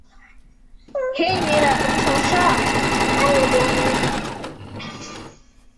হেই, মেয়েরা, কোনো সমস্যা?